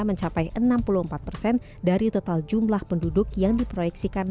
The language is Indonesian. mencapai enam puluh empat persen dari total jumlah penduduk yang diproyeksikan